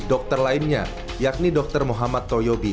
dokter lainnya yakni dr muhammad toyobi